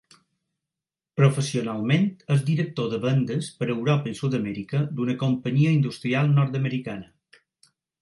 Professionalment és director de vendes per Europa i Sud-amèrica d'una companyia industrial nord-americana.